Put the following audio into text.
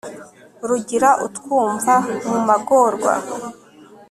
rugira utwumva mu magorwa